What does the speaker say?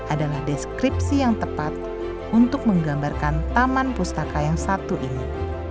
adalah deskripsi yang tepat untuk menggambarkan taman pustaka yang satu ini